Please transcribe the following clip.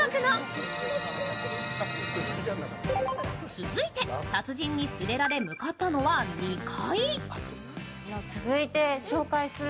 続いて達人に連れられ向かったのは２階。